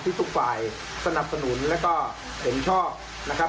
ทุกฝ่ายสนับสนุนแล้วก็เห็นชอบนะครับ